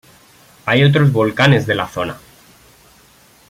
Hay otros volcanes de la zona.